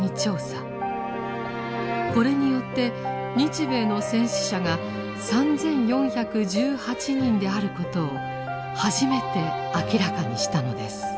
これによって日米の戦死者が３４１８人であることを初めて明らかにしたのです。